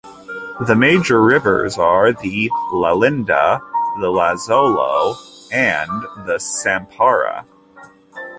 The major rivers are the Lalinda, the Lasolo, and the Sampara.